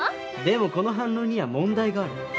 でもこの反論には問題がある。